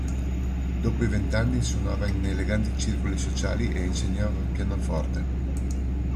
Dopo i vent'anni suonava in eleganti circoli sociali e insegnava pianoforte.